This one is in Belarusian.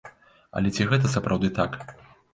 Але ці гэта сапраўды так?